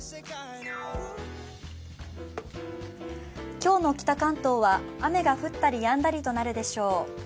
今日の北関東が雨が降ったりやんだりとなるでしょう。